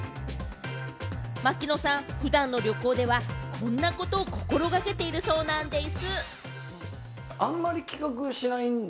槙野さん、普段の旅行ではこんなことを心掛けているそうなんでぃす。